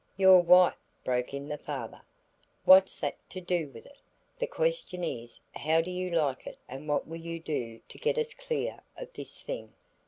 "Your wife," broke in the father, "what's that to do with it; the question is how do you like it and what will you do to get us clear of this thing."